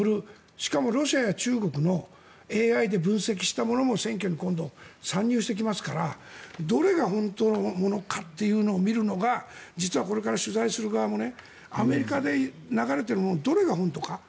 しかもロシアや中国のＡＩで分析したものも選挙に今度、参入してきますからどれが本当のものかというのを見るのが実はこれから取材する側もアメリカで流れているものはどれが本当か。